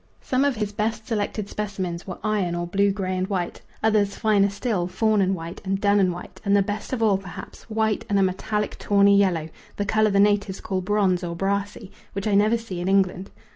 Some of his best selected specimens were iron or blue grey and white; others, finer still, fawn and white and dun and white, and the best of all, perhaps, white and a metallic tawny yellow, the colour the natives call bronze or brassy, which I never see in England.